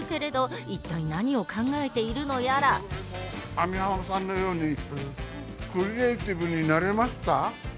網浜さんのようにクリエーティブになれますか？